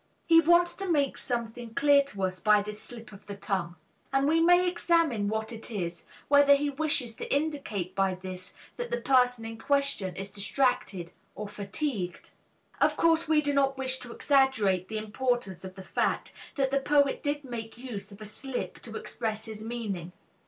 He wants to make something clear to us by this slip of the tongue, and we may examine what it is, whether he wishes to indicate by this that the person in question is distracted or fatigued. Of course, we do not wish to exaggerate the importance of the fact that the poet did make use of a slip to express his meaning.